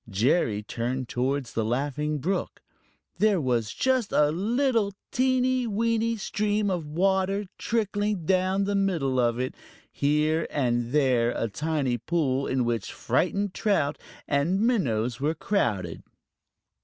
Jerry turned towards the Laughing Brook. There was just a little, teeny, weeny stream of water trickling down the middle of it, with here and there a tiny pool in which frightened trout and minnows were crowded.